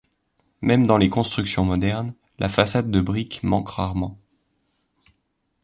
Même dans les constructions modernes, la façade de briques manque rarement.